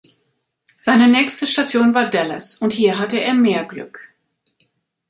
Seine nächste Station war Dallas, und hier hatte er mehr Glück.